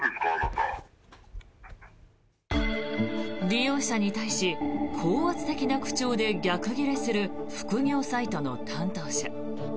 利用者に対し高圧的な口調で逆ギレする副業サイトの担当者。